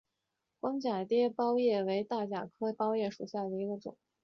光假奓包叶为大戟科假奓包叶属下的一个种。